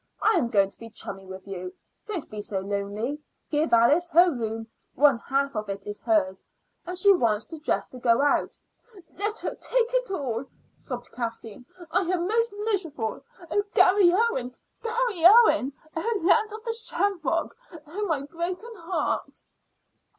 I am going to be chummy with you. Don't be so lonely. Give Alice her room; one half of it is hers, and she wants to dress to go out." "Let her take it all," sobbed Kathleen. "I am most miserable. Oh, Garry Owen, Garry Owen! Oh, Land of the Shamrock! Oh, my broken heart!"